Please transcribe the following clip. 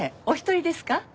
お一人ですか？